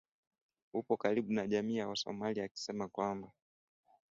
upo karibu na jamii ya wasomali akisema kwamba